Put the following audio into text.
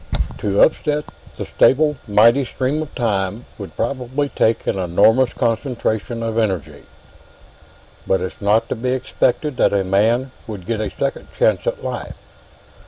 ] _To upset the stable, mighty stream of time would probably take an enormous concentration of energy. And it's not to be expected that a man would get a second chance at life.